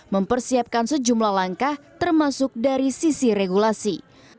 mempersiapkan sejumlah langkah termasuk dari sisi regulasi